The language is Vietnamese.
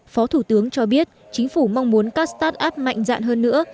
phó thủ tướng cho biết chính phủ mong muốn các start up mạnh dạn hơn nữa